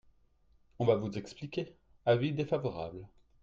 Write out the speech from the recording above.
On va vous expliquer ! Avis défavorable.